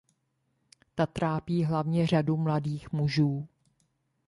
Ta trápí hlavně řadu mladých mužů.